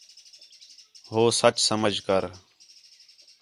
ہو سچ سمجھ کر